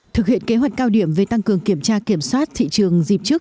thực hiện kế hoạch cao điểm về tăng cường kiểm tra kiểm soát thị trường dịp trước